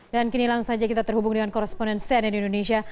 dan kini langsung saja kita terhubung dengan korresponden sene di indonesia